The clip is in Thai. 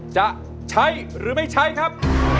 จะใช้หรือไม่ใช้ครับ